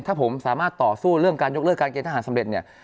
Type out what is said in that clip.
ถ้าผมสามารถต่อสู้เรื่องการยกเลิกการเกณฑหารสำเร็จเนี่ย